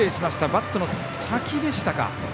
バットの先でしたか。